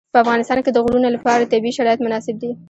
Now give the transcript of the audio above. په افغانستان کې د غرونه لپاره طبیعي شرایط مناسب دي.